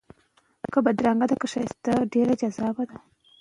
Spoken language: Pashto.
که موږ خپله ژبه وساتو، نو د پوهې کلتور به قوي سي.